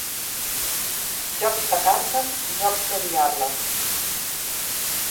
Jocs de cartes, jocs de diables.